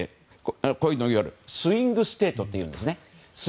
いわゆるスイングステートというんですね。